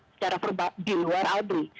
secara perbaik di luar audrey